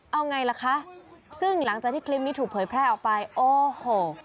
เอาไงล่ะคะซึ่งหลังจากที่คลิปนี้ถูกเผยแพร่ออกไปโอ้โห